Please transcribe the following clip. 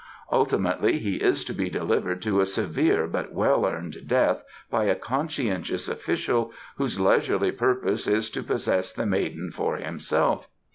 Ultimately he is to be delivered to a severe but well earned death by a conscientious official whose leisurely purpose is to possess the maiden for himself.